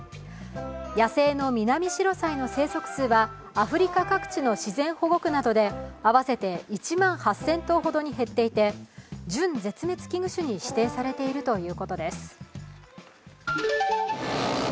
野生のミナミシロサイの生息数はアフリカ各地の自然保護区などで合わせて１万８０００頭に減っていて準絶滅危惧種に指定されているということです。